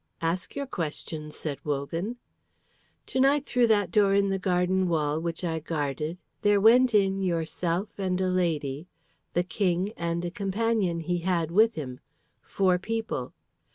"Ask your question," said Wogan. "To night through that door in the garden wall which I guarded, there went in yourself and a lady, the King and a companion he had with him, four people.